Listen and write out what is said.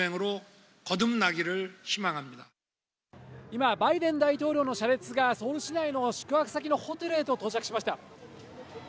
今、バイデン大統領の車列が、ソウル市内の宿泊先のホテルへと到着しました。